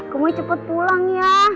gemoy cepet pulang ya